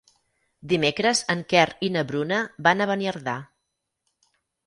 Dimecres en Quer i na Bruna van a Beniardà.